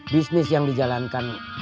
bisnis yang dijalankan kang bahar